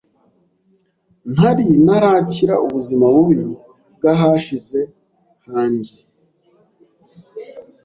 nari ntarakira ubuzima bubi bw’ahashize hanjie